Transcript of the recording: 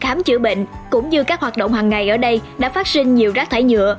khám chữa bệnh cũng như các hoạt động hàng ngày ở đây đã phát sinh nhiều rác thải nhựa